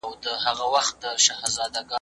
دوی غواړي چي د خیبر لاره خلاصه وي.